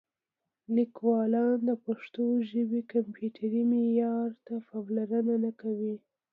لیکوالان د پښتو ژبې کمپیوټري معیار ته پاملرنه نه کوي.